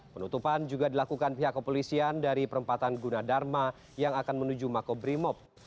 penutupan juga dilakukan pihak kepolisian dari perempatan gunadharma yang akan menuju makobrimob